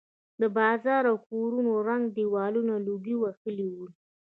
د بازار او کورونو ړنګ دېوالونه لوګو وهلي ول.